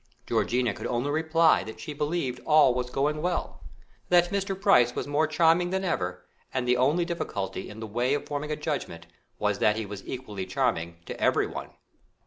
Georgiana could only reply that she believed all was going well; that Mr. Price was more charming than ever, and the only difficulty in the way of forming a judgment was that he was equally charming to everyone.